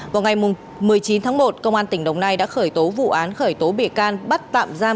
vào ngày một mươi chín tháng một công an tỉnh đồng nai đã khởi tố vụ án khởi tố bị can bắt tạm giam